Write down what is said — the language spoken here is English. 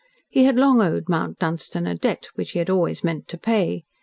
He had long owed Mount Dunstan a debt, which he had always meant to pay.